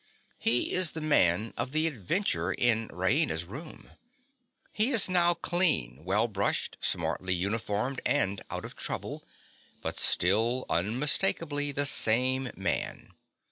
He is the man of the adventure in Raina's room. He is now clean, well brushed, smartly uniformed, and out of trouble, but still unmistakably the same man.